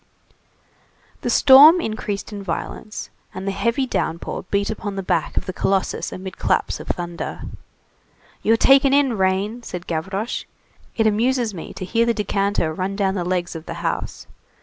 '" The storm increased in violence, and the heavy downpour beat upon the back of the colossus amid claps of thunder. "You're taken in, rain!" said Gavroche. "It amuses me to hear the decanter run down the legs of the house.